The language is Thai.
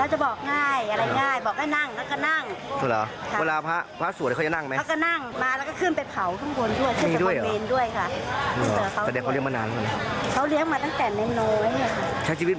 เหมือนคนเอี๊ยนอะไร